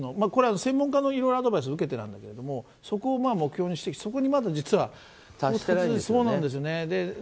これは専門家のアドバイスを受けてなんだけどそこを目標にして、そこにまだ実は達してないんですね。